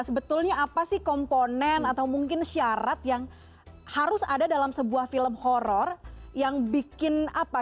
sebetulnya apa sih komponen atau mungkin syarat yang harus ada dalam sebuah film horror yang bikin apa